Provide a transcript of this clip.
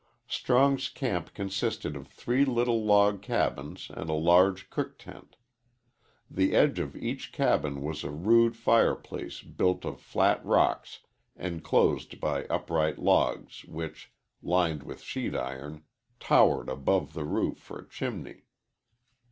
Strong's camp consisted of three little log cabins and a large cook tent. The end of each cabin was a rude fireplace built of flat rocks enclosed by upright logs which, lined with sheet iron, towered above the roof for a chimney.